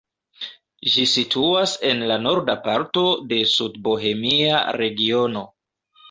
Ĝi situas en la norda parto de Sudbohemia regiono.